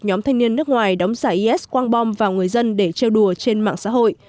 nhóm thanh niên nước ngoài đóng giả is quang bom vào người dân để treo đùa trên mạng xã hội